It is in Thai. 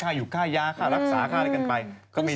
ข้ายุข้าย๊ารักษาข้ายังไงกันไป